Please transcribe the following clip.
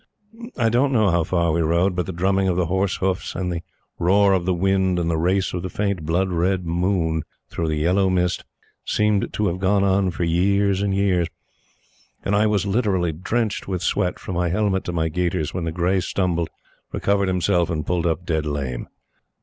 I don't know how far we rode; but the drumming of the horse hoofs and the roar of the wind and the race of the faint blood red moon through the yellow mist seemed to have gone on for years and years, and I was literally drenched with sweat from my helmet to my gaiters when the gray stumbled, recovered himself, and pulled up dead lame.